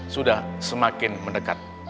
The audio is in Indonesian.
sudah semakin mendekat